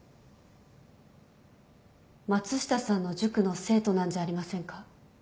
松下さんの塾の生徒なんじゃありませんか？